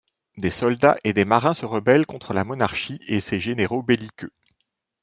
Des soldats et des marins se rebellent contre la monarchie et ses généraux belliqueux.